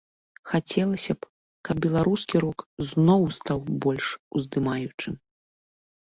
Хацелася б каб беларускі рок зноў стаў больш уздымаючым.